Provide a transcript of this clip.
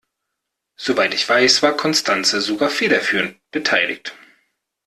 Soweit ich weiß, war Constanze sogar federführend beteiligt.